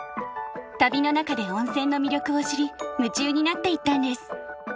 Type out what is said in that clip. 旅の中で温泉の魅力を知り夢中になっていったんです。